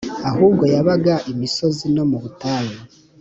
ahubwo yabaga i musozi no mu butayu